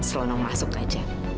selenong masuk saja